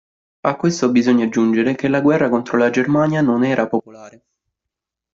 A questo bisogna aggiungere che la guerra contro la Germania non era popolare.